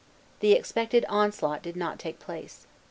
The expected onslaught did not take place.